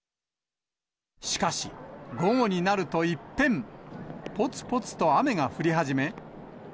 しかし、午後になると一変、ぽつぽつと雨が降り始め。